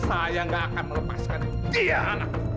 saya nggak akan melepaskan dia anak